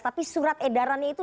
tapi surat edarannya itu